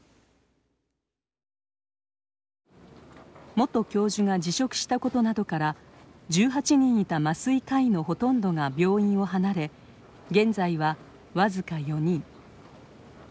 元教授が辞職したことなどから１８人いた麻酔科医のほとんどが病院を離れ現在は僅か４人。